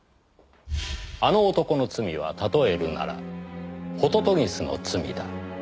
「あの男の罪は例えるなら杜鵑の罪だ」